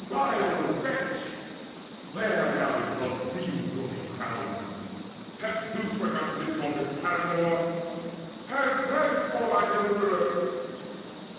Vile wretch! where now is Love's Queen glory crowned? Hath Zeus forgotten his daughter's paramour? Have them for thy deliverers!